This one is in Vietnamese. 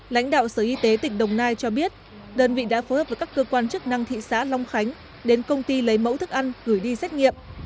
lãnh đạo sở y tế tỉnh đồng nai cho biết đơn vị đã phối hợp với các cơ quan chức năng thị xã long khánh đến công ty lấy mẫu thức ăn gửi đi xét nghiệm